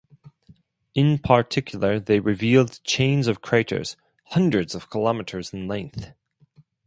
In particular, they revealed chains of craters, hundreds of kilometers in length.